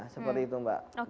seperti itu mbak